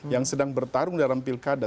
yang sedang bertarung dalam pilkada